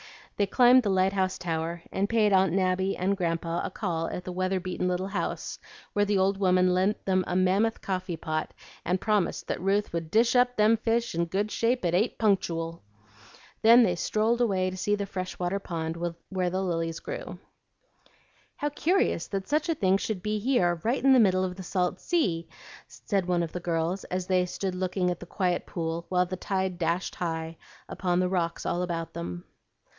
They climbed the lighthouse tower, and paid Aunt Nabby and Grandpa a call at the weather beaten little house, where the old woman lent them a mammoth coffee pot, and promised that Ruth would "dish up them fish in good shape at eight punctooal." Then they strolled away to see the fresh water pond where the lilies grew. "How curious that such a thing should be here right in the middle of the salt sea!" said one of the girls, as they stood looking at the quiet pool while the tide dashed high upon the rocks all about them.